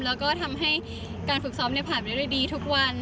แล้วก็ทำให้การฝึกซ้อมผ่านไปด้วยดีทุกวัน